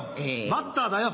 バッターだよ。